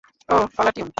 Oh, caller tune?